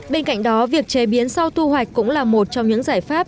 bên cạnh đó việc chế biến sau thu hoạch cũng là một trong những giải pháp